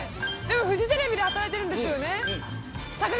フジテレビで働いてるんですよね。